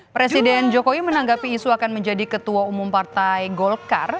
presiden jokowi menanggapi isu akan menjadi ketua umum partai golkar